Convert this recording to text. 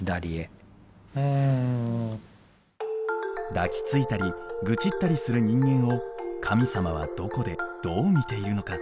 抱きついたり愚痴ったりする人間を神様はどこでどう見ているのか。